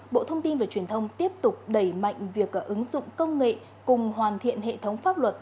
bộ thông tin và truyền thông tiếp tục đẩy mạnh việc ứng dụng công nghệ cùng hoàn thiện hệ thống pháp luật